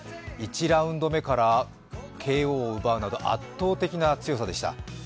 １ラウンド目からＫＯを奪うなど圧倒的な強さでした。